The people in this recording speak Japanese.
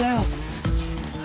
・すげえな。